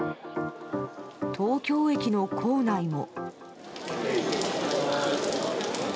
東京駅の構内も。